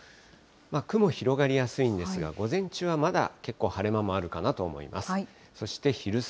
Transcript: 雲広がりやすいんですが、午前中はまだ、結構晴れ間もあるかなと思います。